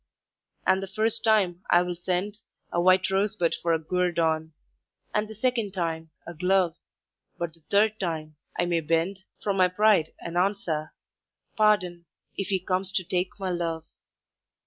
"And the first time, I will send A white rosebud for a guerdon, And the second time, a glove; But the third time I may bend From my pride, and answer: 'Pardon, If he comes to take my love.'